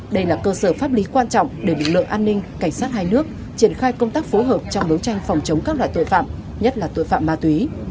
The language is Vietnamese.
đây là cơ sở pháp lý quan trọng để lực lượng an ninh cảnh sát hai nước triển khai công tác phối hợp trong đấu tranh phòng chống các loại tội phạm nhất là tội phạm ma túy